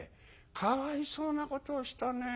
かわいそうなことをしたね。